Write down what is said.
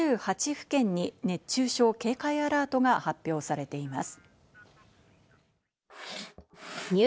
府県に熱中症警戒アラートが発表されています。